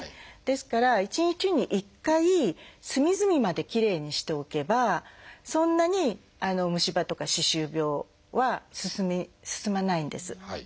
ですから１日に１回隅々まできれいにしておけばそんなに虫歯とか歯周病は進まないんです。